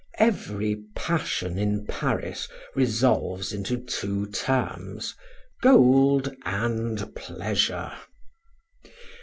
Every passion in Paris resolves into two terms: gold and pleasure.